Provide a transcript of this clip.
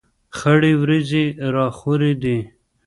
خړې ورېځې را خورې دي.